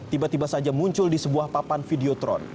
tiba tiba saja muncul di sebuah papan videotron